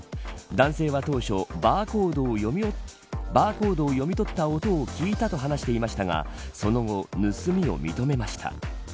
男性は当初バーコードを読み取った音を聞いたと話していましたがその後、盗みを認めました。